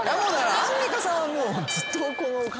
アンミカさんはもう。